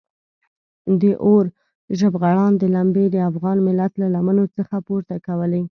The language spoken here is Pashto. د اور ژبغړاندې لمبې د افغان ملت له لمنو څخه پورته کولې.